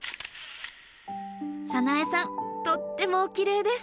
早苗さんとってもおきれいです！